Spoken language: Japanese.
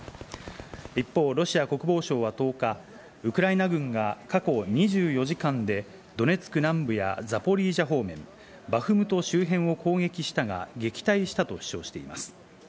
一方、ロシア国防省は１０日、ウクライナ軍が過去２４時間でドネツク南部やザポリージャ方面、バフムト周辺を攻撃したが、撃退したと主張しています。